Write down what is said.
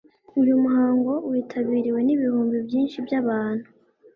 uyu muhango w'itabiriwe n'ibihumbi byinshi by'abantu